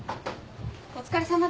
・お疲れさまです。